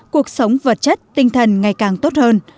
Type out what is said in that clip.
cuộc sống vật chất tinh thần ngày càng tốt hơn